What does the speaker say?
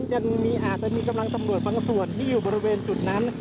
อาจจะมีกำลังตำรวจบางส่วนที่อยู่บริเวณจุดนั้น